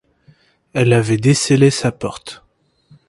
Elle avait descellé sa porte.